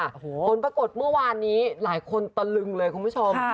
ผลปรากฏเมื่อวานนี้หลายคนตะลึงเลยคุณผู้ชม